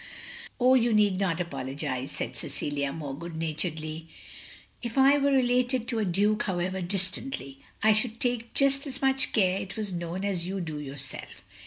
"Oh, you need not apologise," said Cecilia, more good naturedly. "If I were related to a Duke, however distantly, I should take just as much care it was known as you do yourself.